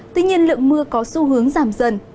tuy nhiên lượng mưa có xu hướng giảm dần